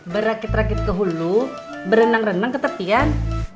berakit rakit ke hulu berenang renang ke tepian